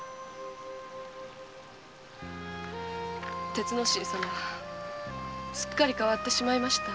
鉄之進様はすっかり変わってしまいました。